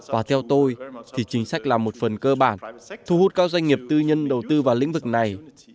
và theo tôi thì chính sách là một phần cơ bản thu hút các doanh nghiệp tư nhân đầu tư vào lĩnh vực này